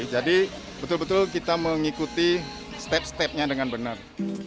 jadi betul betul kita mengikuti step step nya dengan benar